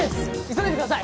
急いでください。